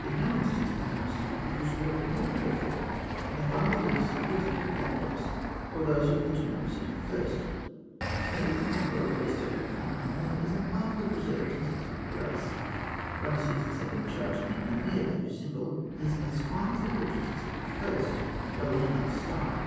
In no instance perhaps did it produce work more perfect than the bas reliefs of the temple of Abydos, or those of the tomb of Seti I. The head of the conqueror (fig. 197), always studied con amore, is a marvel of reserved and sensitive grace. Rameses II. charging the enemy at Abû Simbel is as fine as the portraits of Seti I., though in another style.